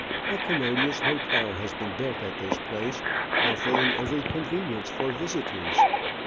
A commodious hotel has been built at this place, offering every convenience for visitors.